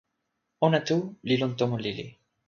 ona tu li lon tomo lili.